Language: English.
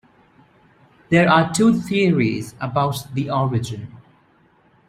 There are two theories about the origin.